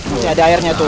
masih ada airnya tuh